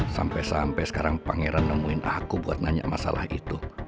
sampai sampai sekarang pangeran nemuin aku buat nanya masalah itu